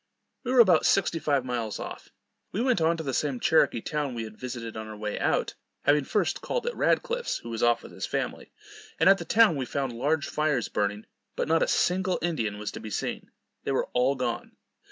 We were about sixty five miles off. We went on to the same Cherokee town we had visited on our way out, having first called at Radcliff's, who was off with his family; and at the town we found large fires burning, but not a single Indian was to be seen. They were all gone.